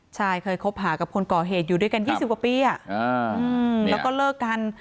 ใช่เคยคบหากับคนก่อเหตุอยู่ด้วยกัน๒๐กว่าปีแล้วก็เลิกกัน